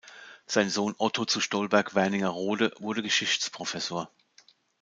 Sein Sohn Otto zu Stolberg-Wernigerode wurde Geschichtsprofessor.